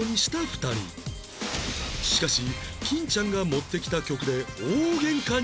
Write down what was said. しかし金ちゃんが持ってきた曲で大ゲンカに